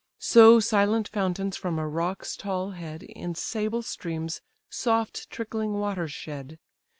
So silent fountains, from a rock's tall head, In sable streams soft trickling waters shed.